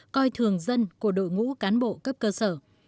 coi thường dân của đội ngũ cán bộ cấp cơ sở